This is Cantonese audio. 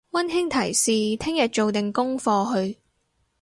溫馨提示聽日做定功課去！